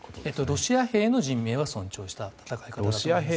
ロシア兵の人命を尊重した戦い方です。